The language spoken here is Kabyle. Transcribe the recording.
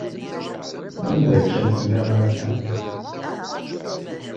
Anda akka ay telliḍ akka?